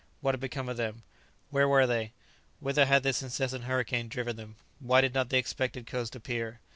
what had become of them? where were they? whither had this incessant hurricane driven them? why did not the expected coast appear?